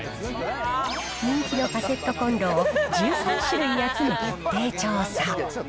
人気のカセットコンロを１３種類集め徹底調査。